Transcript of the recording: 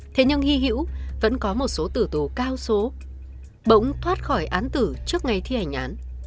thế nhưng hy hữu vẫn có một số tử tù cao xố bỗng thoát khỏi án tử trước ngày thi hành án